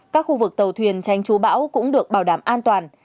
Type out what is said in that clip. các khu vực tàu thuyền tranh chú bão cũng được bảo đảm an toàn